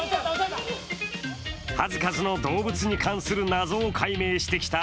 数々の動物に関する謎を解明してきたｉＺｏｏ